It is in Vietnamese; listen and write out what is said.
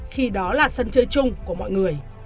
khi đó là sân chơi chung của mọi người